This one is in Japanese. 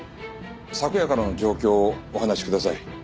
昨夜からの状況をお話しください。